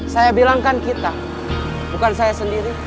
saya bilang kan kita bukan saya sendiri